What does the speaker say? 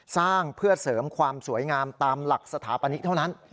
สร้างเพื่อเสริมความสวยงามตามหลักสถาปนิกเท่านั้น